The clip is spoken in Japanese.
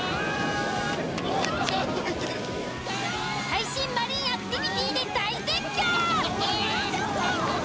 ［最新マリンアクティビティーで大絶叫］